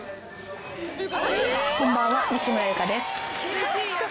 こんばんは西村ゆかです。